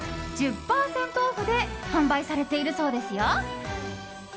１０％オフで販売されているそうですよ。